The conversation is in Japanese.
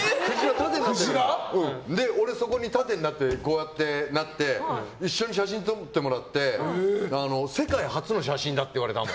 で、俺そこに縦になって一緒に写真撮ってもらって世界初の写真だって言われたの！